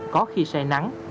có khi say nắng